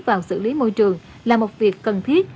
vào xử lý môi trường là một việc cần thiết